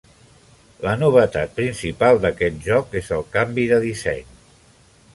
La novetat principal d'aquest joc és el canvi de disseny.